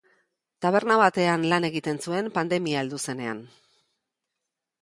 Taberna batean lan egiten zuen pandemia heldu zenean.